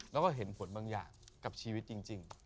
แล้วก็เห็นผลบางอย่างกับชีวิตจริง